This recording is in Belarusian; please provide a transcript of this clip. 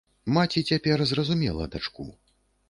Маці цяпер зразумела дачку.